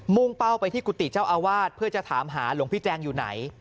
่งเป้าไปที่กุฏิเจ้าอาวาสเพื่อจะถามหาหลวงพี่แจงอยู่ไหน